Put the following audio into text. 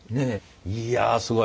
いやすごい。